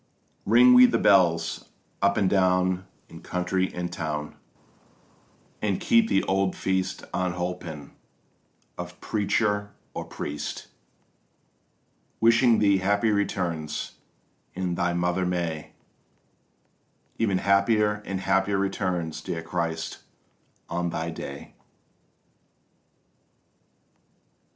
Ring we the bells up and down in country and town, And keep the old feast unholpen of preacher or priest, Wishing thee happy returns, and thy Mother May, Ever happier and happier returns, dear CHRIST, of thy day!